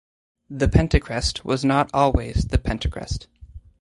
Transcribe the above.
The Pentacrest was not always the Pentacrest.